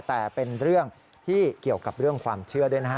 แต่เป็นเรื่องที่เกี่ยวกับเรื่องความเชื่อด้วยนะฮะ